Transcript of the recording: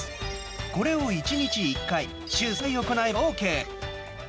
これを１日１回週３回行えばＯＫ。